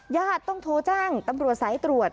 ญาติต้องโทรแจ้งตำรวจสายตรวจ